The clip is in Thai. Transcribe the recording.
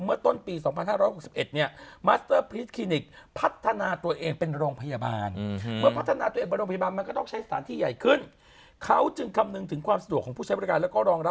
เปรียบเสมอเป็นลูกคนที่สาวของบ้าน